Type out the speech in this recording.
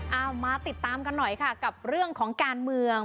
เอามาติดตามกันหน่อยค่ะกับเรื่องของการเมือง